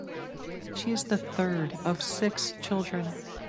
She is the third of six children.